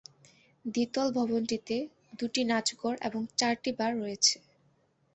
দ্বিতল ভবনটিতে দুটি নাচঘর এবং চারটি বার রয়েছে।